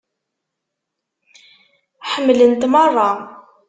Ḥemmlen-t merra.